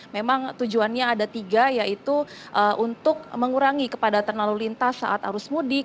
memang tujuannya ada tiga yaitu untuk mengurangi kepada ternalulintas saat arus mudik